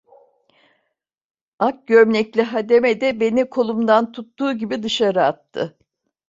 Ak gömlekli hademe de beni kolumdan tuttuğu gibi dışarı attı…